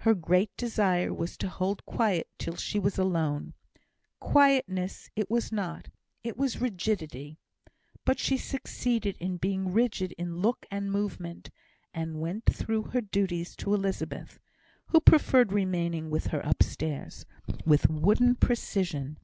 Her great desire was to hold quiet till she was alone. Quietness it was not it was rigidity; but she succeeded in being rigid in look and movement, and went through her duties to Elizabeth (who preferred remaining with her upstairs) with wooden precision.